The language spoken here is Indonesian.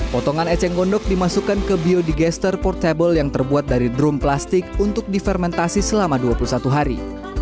potongan eceng gondok dimasukkan ke biodigester portable yang terbuat dari drum plastik untuk difermentasi selama dua puluh satu hari